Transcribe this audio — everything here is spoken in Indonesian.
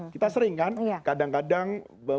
kita sering kan kadang kadang